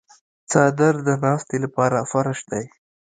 څادر د ناستې لپاره فرش دی.